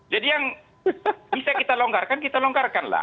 jadi yang bisa kita longgarkan kita longgarkan lah